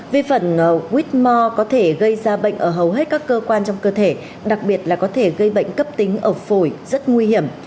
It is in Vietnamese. vi khuẩn whitmore có thể gây ra bệnh ở hầu hết các cơ quan trong cơ thể đặc biệt là có thể gây bệnh cấp tính ở phổi rất nguy hiểm